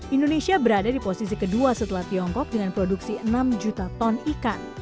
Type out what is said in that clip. indonesia berada di posisi kedua setelah tiongkok dengan produksi enam juta ton ikan